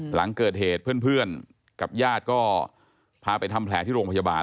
หลังเกิดเหตุเพื่อนกับญาติก็พาไปทำแผลที่โรงพยาบาล